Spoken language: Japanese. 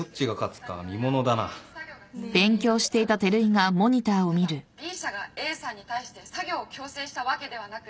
ただＢ社がＡさんに対して作業を強制したわけではなく。